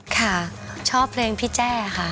ค่ะชอบเพลงพี่แจ้ค่ะ